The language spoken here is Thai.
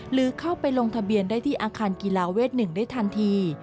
หรือเข้าไปลงทะเบียนได้ที่อาคารกีฬาเวท๑ได้ทันที